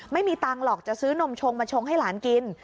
ไม่มีตังค์หรอกจะซื้อนมชงมาชงให้หลานกิน